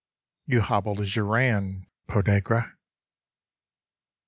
" You hobbled as you ran, podagra."